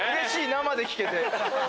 生で聞けて。